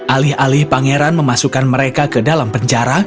alih alih pangeran memasukkan mereka ke dalam penjara